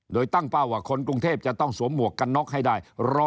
โดยตั้งเป้าว่าคนกรุงเทพจะต้องสวมหมวกกันน็อกให้ได้